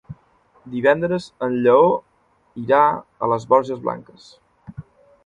Divendres en Lleó irà a les Borges Blanques.